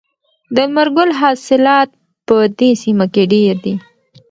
د لمر ګل حاصلات په دې سیمه کې ډیر دي.